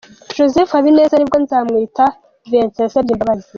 Joseph Habineza, ni bwo Nzamwita Vincent yasabye imbabazi.